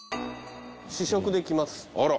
「試食できます！